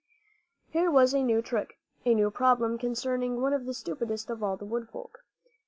Here was a new trick, a new problem concerning one of the stupidest of all the wood folk.